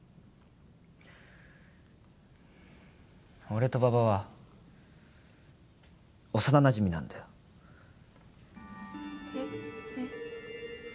俺と馬場は幼なじみなんだよえっ？えっ？